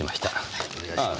はいお願いします。